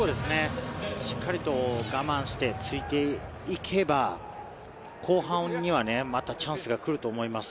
しっかりと我慢してついていけば、後半にはまたチャンスが来ると思います。